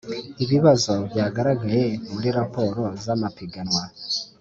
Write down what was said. Ibibazo byagaragaye muri raporo z amapiganwa